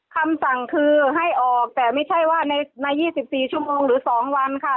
คำสั่งคือให้ออกแต่ไม่ใช่ว่าใน๒๔ชั่วโมงหรือ๒วันค่ะ